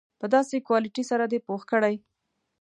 په داسې کوالیټي سره دې پوخ کړي.